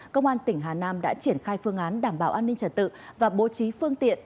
công an tỉnh hà nam đã triển khai phương án đảm bảo an ninh trật tự và bố trí phương tiện